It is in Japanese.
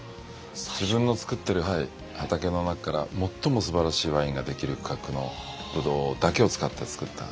自分のつくってる畑の中から最もすばらしいワインができる規格のブドウだけを使ってつくった。